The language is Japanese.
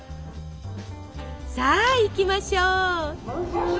さあ行きましょう！